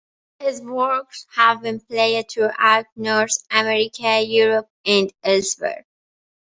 His works have been played throughout North America, Europe, and elsewhere.